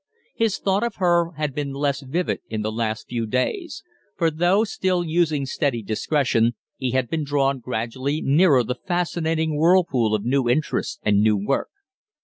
His thought of her had been less vivid in the last few days; for, though still using steady discretion, he had been drawn gradually nearer the fascinating whirlpool of new interests and new work.